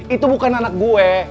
itu bukan anak gue